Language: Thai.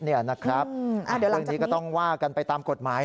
เรื่องนี้ก็ต้องว่ากันไปตามกฎหมาย